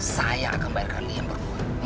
saya akan bayarkan yang berdua